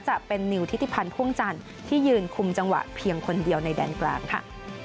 จะเป็นนิวทิติพันธ์พ่วงจันทร์ที่ยืนคุมจังหวะเพียงคนเดียวในแดนกลางค่ะ